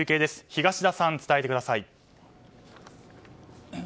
東田さん、伝えてください。